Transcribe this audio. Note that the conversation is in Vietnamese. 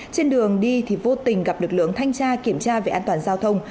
trên đường đi thì vô tình gặp lực lượng thanh tra kiểm tra về an toàn giao thông